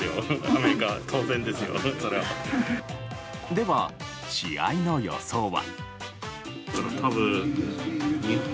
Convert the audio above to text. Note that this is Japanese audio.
では、試合の予想は。